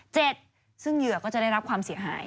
ซึ่งเหยื่อก็จะได้รับความเสียหาย